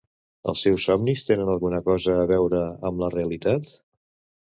Els seus somnis tenen alguna cosa a veure amb la realitat?